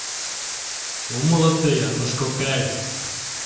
— Умыло тый, Ануш кокай!